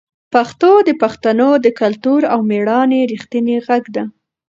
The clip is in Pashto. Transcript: پښتو د پښتنو د کلتور او مېړانې رښتینې غږ ده.